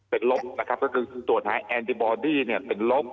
เป็นลบตรวจหาไอธิบัดภัณฑ์เป็นลบ